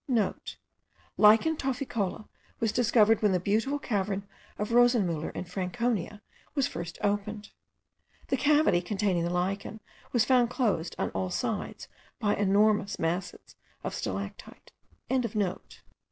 *(* Lichen tophicola was discovered when the beautiful cavern of Rosenmuller in Franconia was first opened. The cavity containing the lichen was found closed on all sides by enormous masses of stalactite.)